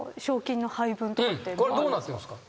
これどうなってんすか？